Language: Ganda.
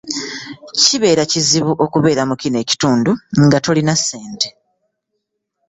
Kibeera kizibu okubeera mu kino ekitundu nga tolina ssente.